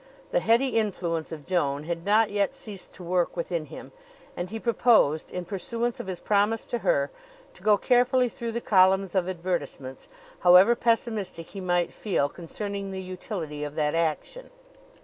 The heady influence of Joan had not yet ceased to work within him; and he proposed, in pursuance of his promise to her, to go carefully through the columns of advertisements, however pessimistic he might feel concerning the utility of that action.